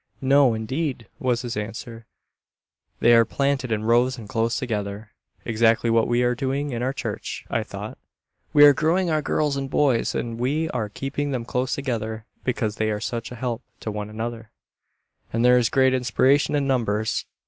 "No, indeed," was his answer, "they are planted in rows, and close together." Exactly what we are doing in our church, I thought. We are growing our girls and boys, and we are keeping them close together, because they are such a help to one another, and there is great inspiration in numbers.